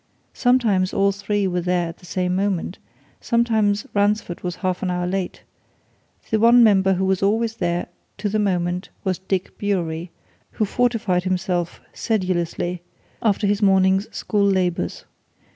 Sometimes all three were there at the same moment; sometimes Ransford was half an hour late; the one member who was always there to the moment was Dick Bewery, who fortified himself sedulously after his morning's school labours.